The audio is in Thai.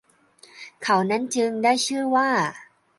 เขานั้นจึง ได้ชื่อว่า